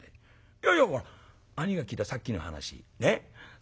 「いやいや兄ぃが聞いたさっきの話ねっ。